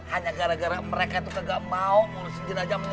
hanya gara gara mereka itu kagak mau ngurusin jenazah